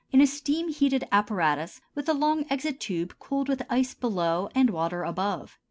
in a steam heated apparatus with a long exit tube cooled with ice below and water above.